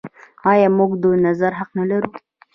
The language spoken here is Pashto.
آیا موږ د نظر حق نلرو؟